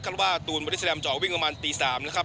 คารุบ้าตูนวัลิซาเลมจะออกวิ่งประมาณตี๓นะครับ